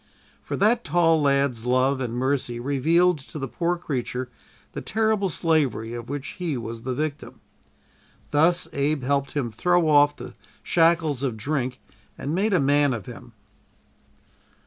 For that tall lad's love and mercy revealed to the poor creature the terrible slavery of which he was the victim. Thus Abe helped him throw off the shackles of drink and made a man of him.